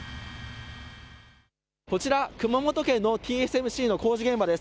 こちら、熊本県のＴＳＭＣの工事現場です。